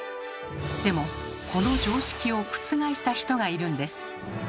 でもこの常識をくつがえした人がいるんです。